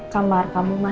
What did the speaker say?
sampai ber golf